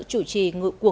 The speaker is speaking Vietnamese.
chủ trì của người việt